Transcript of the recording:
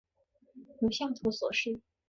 如下图所示。